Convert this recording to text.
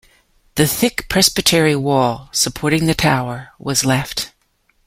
The thick Presbytery wall supporting the tower was left.